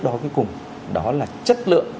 đó cuối cùng đó là chất lượng